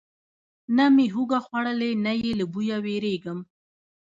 نه مې هوږه خوړلې، نه یې له بویه ویریږم.